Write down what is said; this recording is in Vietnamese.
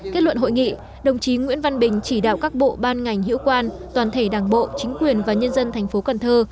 kết luận hội nghị đồng chí nguyễn văn bình chỉ đạo các bộ ban ngành hiệu quan toàn thể đảng bộ chính quyền và nhân dân thành phố cần thơ